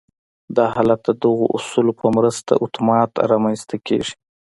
دا حالت د دغو اصولو په مرسته اتومات رامنځته کېږي